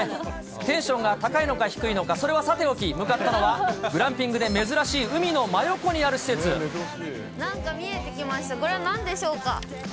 テンションが高いのか低いのか、それはさておき、向かったのはグランピングで珍しい海の真横にあなんか見えてきました、これなんでしょうか。